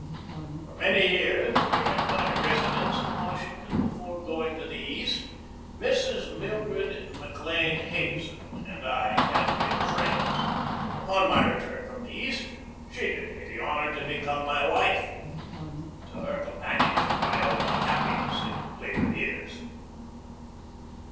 For many years during my residence in Washing ton before going to the East Mrs. Mildred (McLean) 292 GEORGE DEWEY Hazen and I had been friends. Upon my return from the East she did me the honor to become my wife. To her companionship I owe my happiness in later years.